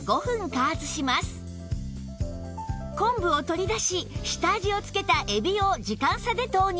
昆布を取り出し下味を付けた海老を時間差で投入